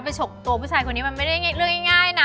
ฉกตัวผู้ชายคนนี้มันไม่ได้เรื่องง่ายนะ